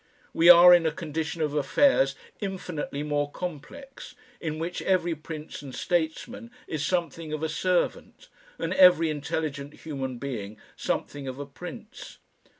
We are in a condition of affairs infinitely more complex, in which every prince and statesman is something of a servant and every intelligent human being something of a Prince.